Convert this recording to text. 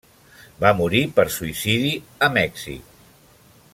Va morir, per suïcidi, a Mèxic.